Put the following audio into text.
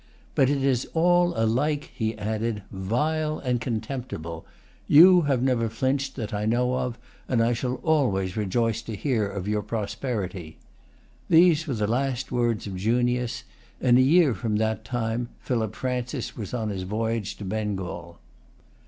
"But it is all alike," he added, "vile and contemptible. You have never flinched that I know of; and I shall always rejoice to hear of your prosperity." These were the last words of Junius. In a year from that time, Philip Francis was on his voyage to Bengal.